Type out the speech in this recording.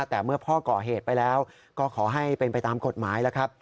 แต่เมื่อพ่อก่อเหตุไปแล้วก็ขอให้เป็นไปตามกฎหมายแล้วครับ